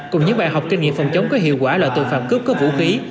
cùng những bài học kinh nghiệm phòng chống có hiệu quả loại tội phạm cướp có vũ khí